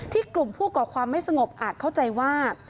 กลุ่มผู้ก่อความไม่สงบอาจเข้าใจว่า